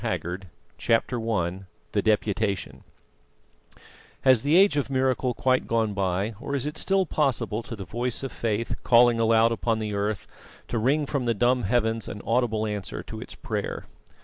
JB. THE WIZARD CHAPTER I THE DEPUTATION Has the age of miracle quite gone by, or is it still possible to the Voice of Faith calling aloud upon the earth to wring from the dumb heavens an audible answer to its prayer?